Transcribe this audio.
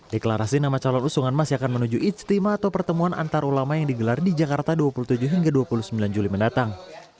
deklarasi nama calon usungan masih akan menuju ijtima atau pertemuan antarulama yang digelar di jakarta dua puluh tujuh hingga dua puluh sembilan juli mendatang